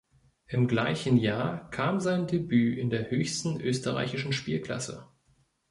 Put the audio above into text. Im gleichen Jahr kam sein Debüt in der höchsten österreichischen Spielklasse.